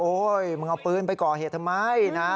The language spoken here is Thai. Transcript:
โอ้โฮมึงเอาปืนไปก่อเหตุไม่นะ